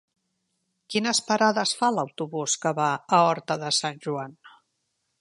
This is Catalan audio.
Quines parades fa l'autobús que va a Horta de Sant Joan?